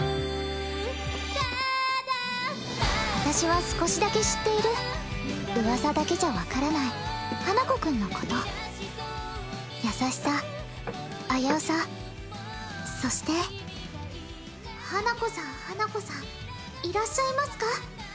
私は少しだけ知っている噂だけじゃ分からない花子くんのこと優しさ危うさそして花子さん花子さんいらっしゃいますか？